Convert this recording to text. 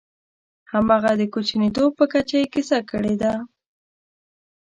همغه د کوچنیتوب په کچه یې کیسه کړې ده.